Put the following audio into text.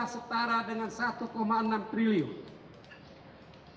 setara dengan rp satu enam triliun